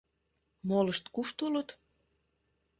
Молышт кушто улыт?..